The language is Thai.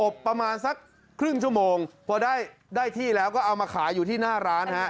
ประมาณสักครึ่งชั่วโมงพอได้ได้ที่แล้วก็เอามาขายอยู่ที่หน้าร้านฮะ